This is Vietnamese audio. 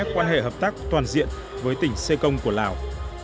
quan hệ hợp tác toàn diện với tỉnh sê công của lào